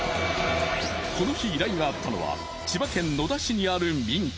この日依頼があったのは千葉県野田市にある民家。